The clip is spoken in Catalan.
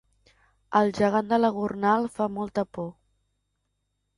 El gegant de la Gornal fa molta por